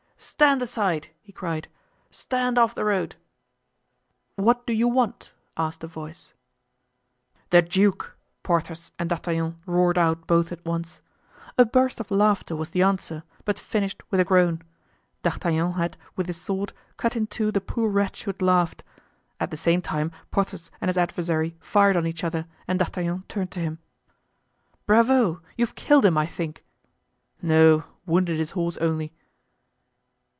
"Stand aside!" he cried; "stand off the road!" "What do you want?" asked a voice. "The duke!" Porthos and D'Artagnan roared out both at once. A burst of laughter was the answer, but finished with a groan. D'Artagnan had, with his sword, cut in two the poor wretch who had laughed. At the same time Porthos and his adversary fired on each other and D'Artagnan turned to him. "Bravo! you've killed him, I think." "No, wounded his horse only."